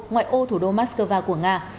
ngoại ô thủ đô moscow của nga